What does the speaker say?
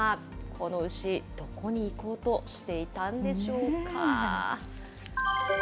この牛、どこに行こうとしていたんでしょうか。